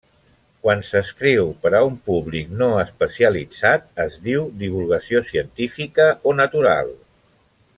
Quan s'escriu per a un públic no especialitzat, es diu divulgació científica o natural.